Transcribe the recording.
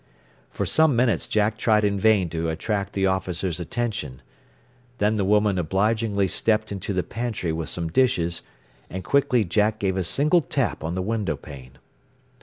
For some minutes Jack tried in vain to attract the officer's attention. Then the woman obligingly stepped into the pantry with some dishes, and quickly Jack gave a single tap on the window pane.